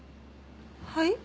はい？